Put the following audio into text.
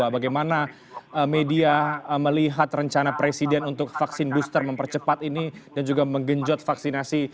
bagaimana media melihat rencana presiden untuk vaksin booster mempercepat ini dan juga menggenjot vaksinasi